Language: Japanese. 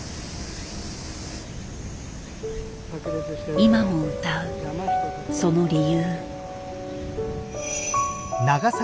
今も歌うその理由。